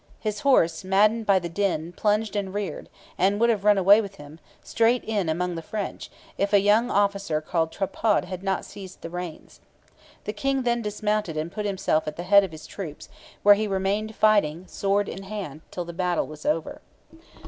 His horse, maddened by the din, plunged and reared, and would have run away with him, straight in among the French, if a young officer called Trapaud had not seized the reins. The king then dismounted and put himself at the head of his troops, where he remained fighting, sword in hand, till the battle was over.